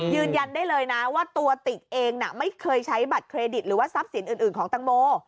ยืนยันได้เลยนะว่าตัวติกเองไม่เคยใช้บัตรเครดิตหรือว่าทรัพย์สินอื่นของตังโม